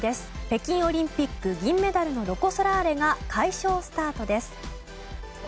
北京オリンピック銀メダルのロコ・ソラーレが快勝スタートです。